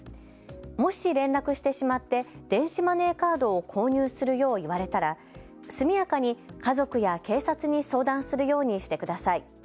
もし連絡してしまって電子マネーカードを購入するよう言われたら速やかに家族や警察に相談するようにしてください。